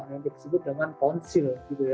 yang disebut dengan konsil